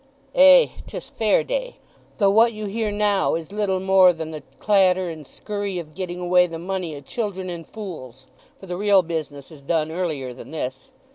"Ay. 'Tis Fair Day. Though what you hear now is little more than the clatter and scurry of getting away the money o' children and fools, for the real business is done earlier than this.